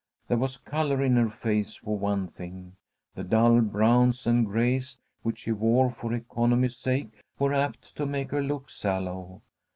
There was colour in her face for one thing. The dull browns and grays, which she wore for economy's sake, were apt to make her look sallow.